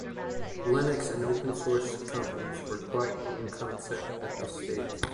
Linux and open-source companies were quite a new concept at this stage.